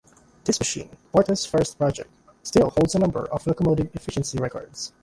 This machine, Porta's first project, still holds a number of locomotive efficiency records.